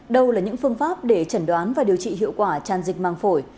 đâu là những phương pháp để chẩn đoán và điều trị hiệu quả tràn dịch màng phổi